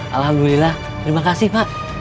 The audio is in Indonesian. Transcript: alhamdulillah terima kasih pak